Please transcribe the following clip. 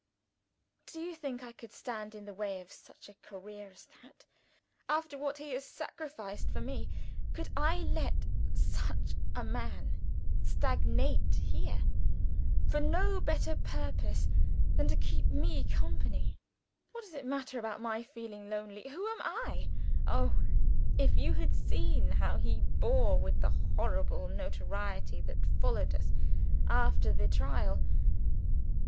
Do you think I could stand in the way of such a career as that? After what he has sacrificed for me, could I let Such a Man stagnate here for no better purpose than to keep me company? What does it matter about my feeling lonely? Who am I? Oh, if you had seen how he bore with the horrible notoriety that followed us, after the trial!